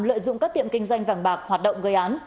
lợi dụng các tiệm kinh doanh vàng bạc hoạt động gây án